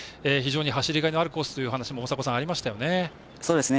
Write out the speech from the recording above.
非常に走りがいのあるコースという話もありましたよね。